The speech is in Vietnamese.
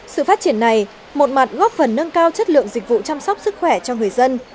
sự phát triển này một mặt góp phần nâng cao chất lượng dịch vụ chăm sóc sức khỏe cho người dân